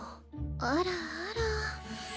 あらあら。